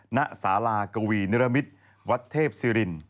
นะศาลากวีนิรมิตรวัทเทพศิรินดร์